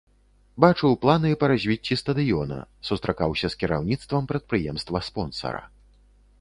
Бачыў планы па развіцці стадыёна, сустракаўся з кіраўніцтвам прадпрыемства-спонсара.